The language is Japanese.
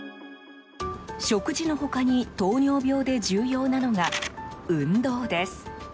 食事の他に糖尿病で重要なのが運動です。